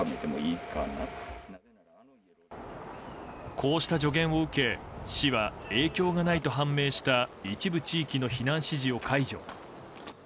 こうした助言を受け市は影響がないと判明した一部地域の避難指示を解除。